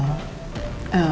kamu bantu cari elsa noh